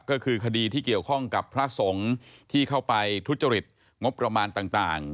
ก็คือคดีที่เกี่ยวข้องกับพระสงฆ์ที่เข้าไปทุจริตงบประมาณต่าง